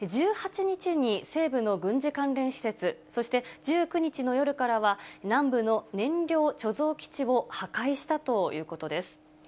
１８日に西部の軍事関連施設、そして、１９日の夜からは、南部の燃料貯蔵基地を破壊したということです。